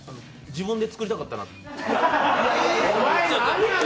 自分で作りたかったなと。